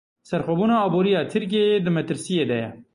Serxwebûna aboriya Tirkiyeyê di metirsiyê de ye.